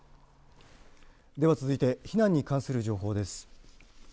では続いて避難に関する情報です。